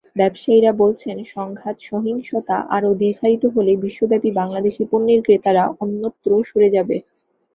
ব্যবসায়ীরা বলছেন, সংঘাত-সহিংসতা আরও দীর্ঘায়িত হলে বিশ্বব্যাপী বাংলাদেশি পণ্যের ক্রেতারা অন্যত্র সরে যাবে।